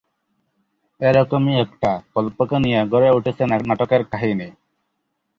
এরকমই একটি গল্পকে নিয়ে গড়ে উঠেছে নাটকের কাহিনী।